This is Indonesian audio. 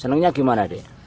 senengnya gimana deh